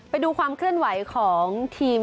ไปดูความเคลื่อนไหวของทีม